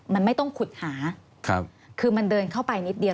มันไม่ต้องขุดหาคือมันเดินเข้าไปนิดเดียว